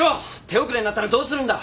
手遅れになったらどうするんだ！？